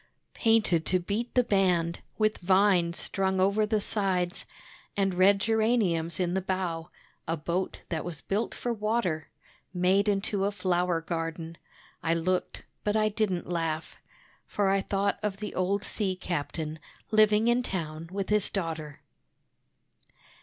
Painted to beat the band, with vines strung over the sides And red geraniums in the bow, a boat that was built for water Made into a flower garden. I looked, but I didn't laugh, For I thought of the old sea captain living in town with his daughter.